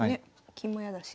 金も嫌だし。